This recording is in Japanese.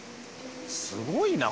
すごいな！